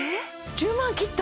１０万切った？